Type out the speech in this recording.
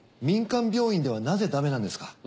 民間病院ではなぜだめなんですか？